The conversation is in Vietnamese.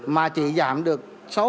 mà chỉ giảm được sáu mươi tám